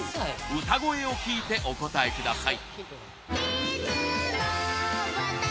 歌声を聴いてお答えください